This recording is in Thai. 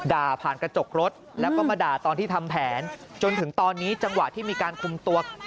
ด่าผ่านกระจกรถแล้วก็มาด่าตอนที่ทำแผนจนถึงตอนนี้จังหวะที่มีการคุมตัว